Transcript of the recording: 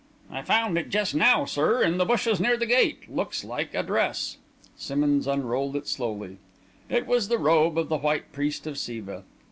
"I found it just now, sir, in the bushes near the gate. Looks like a dress." Simmonds unrolled it slowly. It was the robe of the White Priest of Siva.